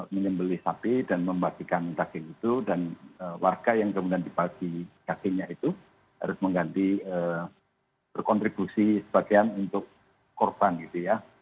menyembeli sapi dan membagikan daging itu dan warga yang kemudian dibagi dagingnya itu harus mengganti berkontribusi sebagian untuk korban gitu ya